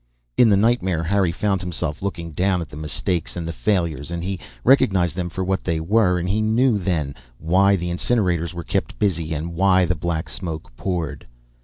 In the nightmare Harry found himself looking down at the mistakes and the failures and he recognized them for what they were, and he knew then why the incinerators were kept busy and why the black smoke poured.